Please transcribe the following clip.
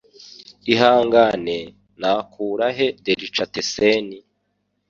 Ihangane, nakura he delicatessen?